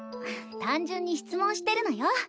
単純に質問してるのよ。